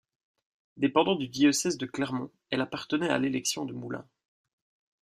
Dépendant du diocèse de Clermont, elle appartenait à l'élection de Moulins.